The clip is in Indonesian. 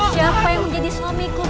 siapa yang mau jadi suamiku bang